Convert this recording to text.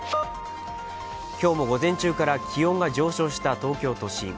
今日も午前中から気温が上昇した東京都心。